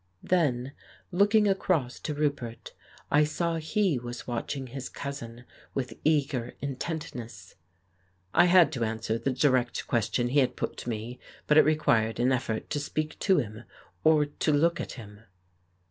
Then, looking across to Roupert, I saw he was watching his cousin with eager intentness. I had to answer the direct question he had put to me, but it required an effort to speak to him or to look at him.